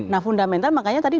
nah fundamental makanya tadi